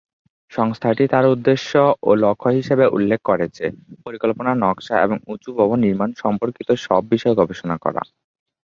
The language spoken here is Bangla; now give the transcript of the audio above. সংস্থাটি তার উদ্দেশ্য ও লক্ষ্য হিসেবে উল্লেখ করেছে, পরিকল্পনা, নকশা এবং উচু ভবন নির্মাণ সম্পর্কিত সব বিষয়ে গবেষণা করা।